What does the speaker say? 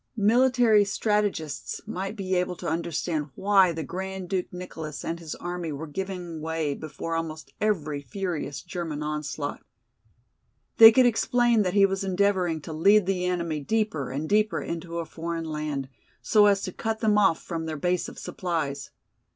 Military strategists might be able to understand why the Grand Duke Nicholas and his army were giving way before almost every furious German onslaught. They could explain that he was endeavoring to lead the enemy deeper and deeper into a foreign land, so as to cut them off from their base of supplies.